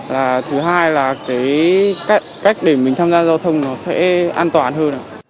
và thứ hai là cách để mình tham gia giao thông sẽ an toàn hơn